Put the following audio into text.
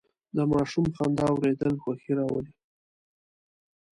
د ماشوم خندا اورېدل خوښي راولي.